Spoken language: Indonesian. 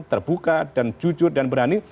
terbuka dan jujur dan berani